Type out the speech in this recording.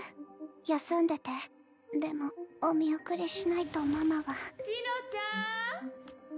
休んでてでもお見送りしないとママ・紫乃ちゃん！